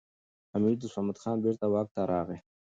امیر دوست محمد خان بیرته واک ته راغی.